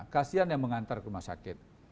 kasian yang mengantar ke rumah sakit